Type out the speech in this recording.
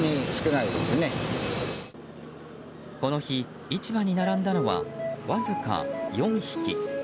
この日、市場に並んだのはわずか４匹。